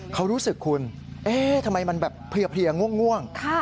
เขารู้สึกคุณเอ๊ะทำไมมันแบบเพลียง่วง